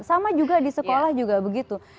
sama juga di sekolah juga begitu